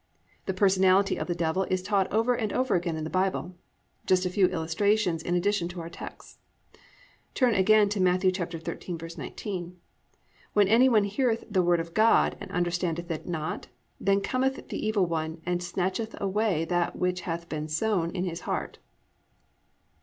The personality of the Devil is taught over and over again in the Bible. Just a few illustrations in addition to our texts. Turn again to Matt. 13:19: +"When any one heareth the word of God, and understandeth it not, then cometh the evil one, and snatcheth away that which hath been sown in his heart."